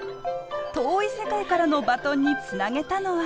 遠い世界からのバトンにつなげたのは。